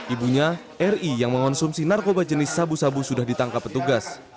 ibunya ri yang mengonsumsi narkoba jenis sabu sabu sudah ditangkap petugas